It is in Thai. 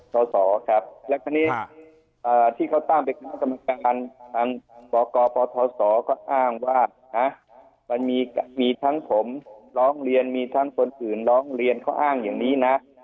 ศครับแล้วคราวนี้ที่เขาตั้งเป็นคณะกรรมการทางปกปทศก็อ้างว่านะมันมีทั้งผมร้องเรียนมีทั้งคนอื่นร้องเรียนเขาอ้างอย่างนี้นะ